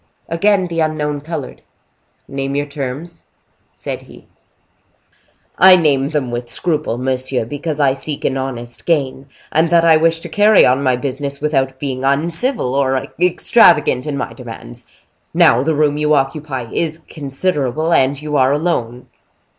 Again the unknown colored. "Name your terms," said he. "I name them with scruple, monsieur, because I seek an honest gain, and that I wish to carry on my business without being uncivil or extravagant in my demands. Now the room you occupy is considerable, and you are alone."